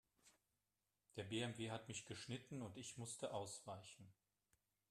Der BMW hat mich geschnitten und ich musste ausweichen.